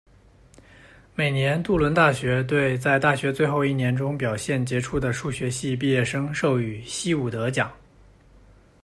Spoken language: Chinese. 每年杜伦大学对在大学最后一年中表现杰出的数学系毕业生授予希伍德奖。